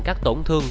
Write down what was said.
các tổn thương